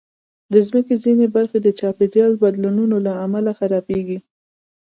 د مځکې ځینې برخې د چاپېریالي بدلونونو له امله خرابېږي.